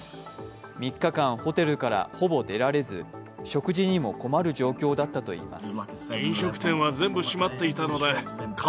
３日間、ホテルからほぼ出られず食事にも困る状況だったといいます。